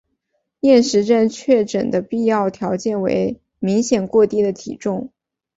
厌食症确诊的必要条件为明显过低的体重。